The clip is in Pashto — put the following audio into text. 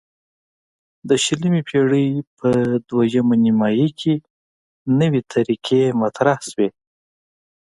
د شلمې پیړۍ په دویمه نیمایي کې نوې طریقې مطرح شوې.